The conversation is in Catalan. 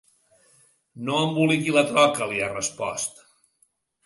No emboliqui la troca, li ha respost.